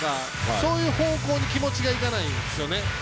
そういう方向に気持ちがいかないんですよね。